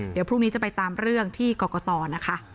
เดี๋ยวพรุ่งนี้จะไปตามเรื่องที่กรกตนะคะ